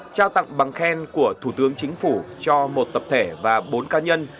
trao tặng bằng khen của thủ tướng chính phủ cho một tập thể và bốn cá nhân